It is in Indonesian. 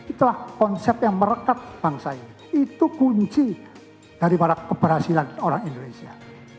itulah konsep yang merekat bangsa ini itu kunci daripada keberhasilan orang indonesia